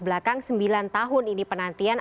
belakang sembilan tahun ini penantian